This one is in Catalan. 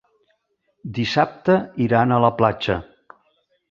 Dissabte iran a la platja.